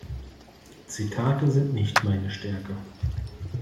Zitate sind nicht meine Stärke.